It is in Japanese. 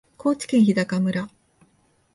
高知県日高村